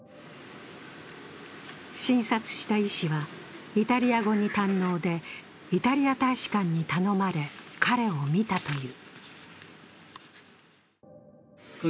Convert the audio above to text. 診察した医師は、イタリア語に堪能でイタリア大使館に頼まれ彼を診たという。